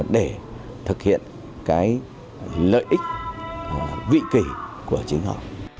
để thực hiện cái lợi ích vị kỳ của chính họ